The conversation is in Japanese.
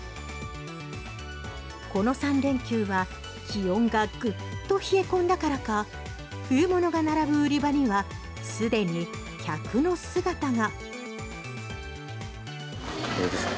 この３連休は気温がグッと冷え込んだからか冬物が並ぶ売り場にはすでに客の姿が。